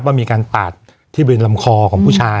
วันนี้แม่ช่วยเงินมากกว่า